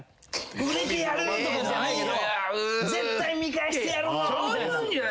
売れてやるとかじゃないけど絶対見返してやるぞみたいな。